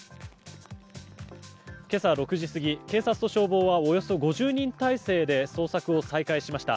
今朝、６時過ぎ警察と消防はおよそ５０人態勢で捜索を再開しました。